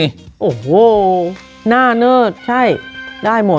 โอ้โหวเหนื่อยใช่ได้หมด